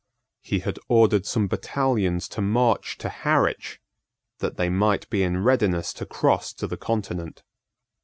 He had ordered some battalions to march to Harwich, that they might be in readiness to cross to the Continent.